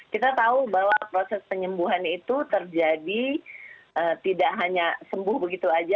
kita tahu bahwa proses penyembuhan itu terjadi tidak hanya sembuh begitu saja